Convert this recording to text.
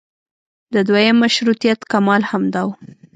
د دویم مشروطیت کمال همدا و.